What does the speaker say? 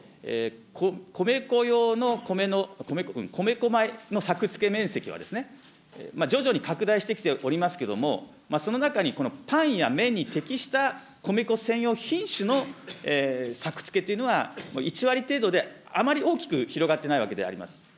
米粉用の、米粉米の作付面積は徐々に拡大してきておりますけれども、その中にこのパンや麺に適した米粉専用品種の作付けというのは、１割程度であまり大きく広がってないわけであります。